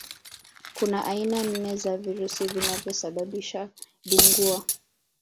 Kuna aina nne za virusi vinavyosababisha Dengua